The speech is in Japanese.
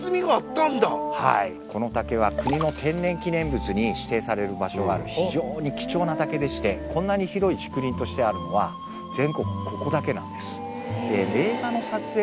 はいこの竹は国の天然記念物に指定される場所がある非常に貴重な竹でしてこんなに広い竹林としてあるのは全国ここだけなんです。